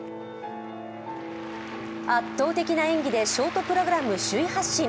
圧倒的な演技でショートプログラム首位発進。